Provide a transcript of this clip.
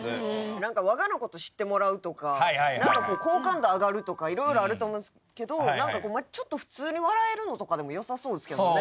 何か我がのこと知ってもらうとか何かこう好感度上がるとか色々あると思うけどちょっと普通に笑えるのとかでも良さそうすけどね。